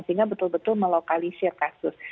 sehingga betul betul melokalisir kasus